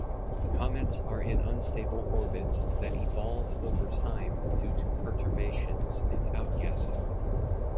Comets are in unstable orbits that evolve over time due to perturbations and outgassing.